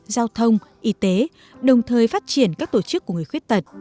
giao thông y tế đồng thời phát triển các tổ chức của người khuyết tật